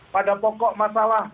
pada pokok masalah